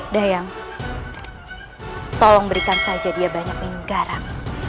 dayang tolong berikan saja dia banyak minum garam